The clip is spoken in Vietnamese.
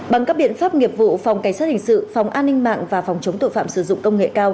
bằng các biện pháp nghiệp vụ phòng cảnh sát hình sự phòng an ninh mạng và phòng chống tội phạm sử dụng công nghệ cao